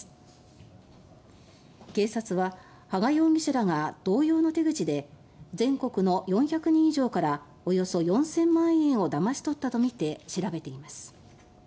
警察は羽賀容疑者らが同様の手口で全国の４００人以上からおよそ４０００万円をだまし取ったとみて調べています。